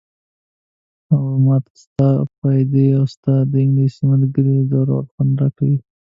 اوه، ما ته ستا، پادري او ستا د انګلیسۍ ملګرې ځورول خوند راکوي.